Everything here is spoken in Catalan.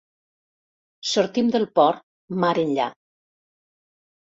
Sortim del port, mar enllà.